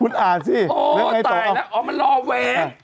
อ๋อตายแล้วเหรอมันรอแว้ง